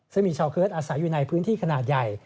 ซึ่งมีชาวเคิร์ตอาศัยอยู่ในพื้นที่ขนาดใหญ่